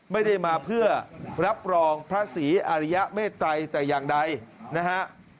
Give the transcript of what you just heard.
ไม่ได้มาเพื่อรับรองพระศรีอริยเมตรัยแต่อย่างใดนะฮะ